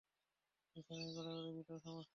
বিছানায় গড়াগড়ি দিতেও সমস্যা।